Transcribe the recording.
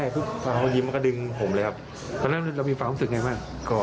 ปกติครับเนาะ